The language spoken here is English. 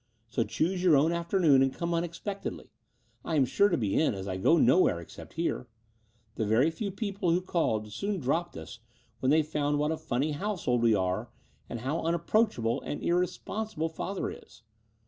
So choose your own afternoon, and come unexpectedly. I am sure to be in, as I go nowhere except here. The very few people who called soon dropped us when they f otmd what a f tmny household we are and how unapproachable and irresponsible father is.